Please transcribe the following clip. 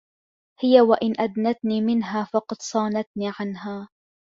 هِيَ وَإِنْ أَدْنَتْنِي مِنْهَا فَقَدْ صَانَتْنِي عَنْهَا